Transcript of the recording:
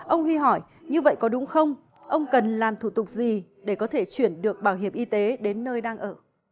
ông hy hỏi như vậy có đúng không ông cần làm thủ tục gì để có thể chuyển được bảo hiểm y tế đến nơi đang ở